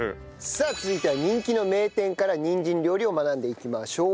さあ続いては人気の名店からにんじん料理を学んでいきましょう。